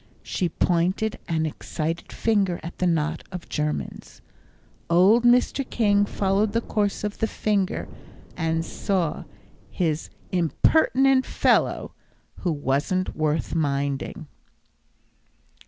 She pointed an excited finger at the knot of Germans. Old Mr. King followed the course of the finger, and saw his "impertinent fellow who wasn't worth minding."